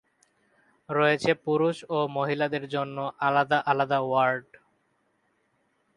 রয়েছে পুরুষ ও মহিলাদের জন্য আলাদা আলাদা ওয়ার্ড।